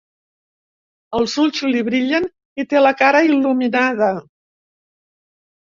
Els ulls li brillen i té la cara il·luminada.